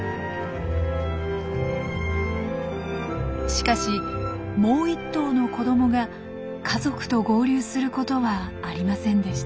しかしもう一頭の子どもが家族と合流することはありませんでした。